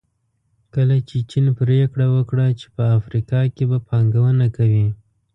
کله چې چین پریکړه وکړه چې په افریقا کې به پانګونه کوي.